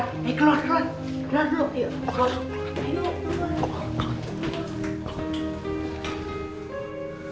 eh keluar dulu